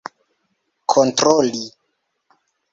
kontroli